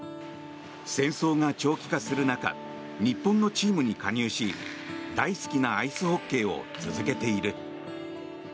戦争が長期化する中日本のチームに加入し大好きなアイスホッケーを続けている。